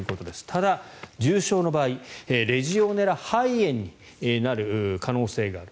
ただ、重症の場合レジオネラ肺炎になる可能性がある。